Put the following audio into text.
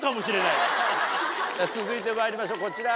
続いてまいりましょうこちら。